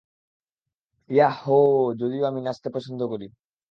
Yeah হোওওও যদিও আমি নাচতে পছন্দ করি।